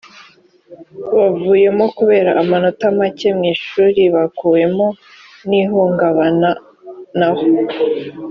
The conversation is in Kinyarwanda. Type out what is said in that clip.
bavuyemo kubera amanota make mu ishuri bakuwemo n ihungabana naho